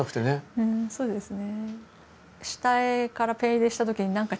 うんそうですね。